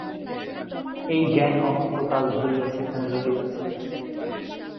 এই জ্ঞান অনন্তকাল ধরিয়া সেখানে রহিয়াছে।